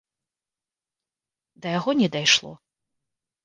Да яго не дайшло.